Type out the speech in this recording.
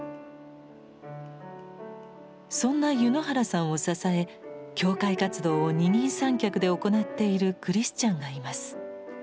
そんな柚之原さんを支え教会活動を二人三脚で行っているクリスチャンがいます。